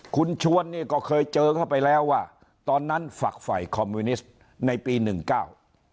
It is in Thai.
คุณชวนนี่ก็เคยเจอเข้าไปแล้วว่าตอนนั้นฝักฝ่ายคอมมิวนิสต์ในปีหนึ่งเก้า